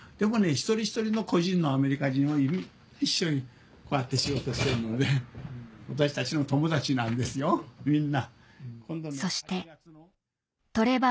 一人一人の個人のアメリカ人は一緒にこうやって仕事してるので私たちの友達なんですよみんな。